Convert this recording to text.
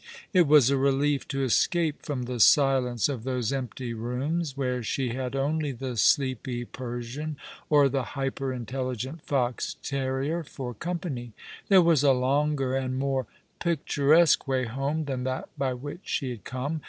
It was a relief to escape from the silence of those empty rooms, where she had only the sleepy Persian or the hyper intelligent fox terrier for company. There was a longer and more picturesque way home than that by which she had come.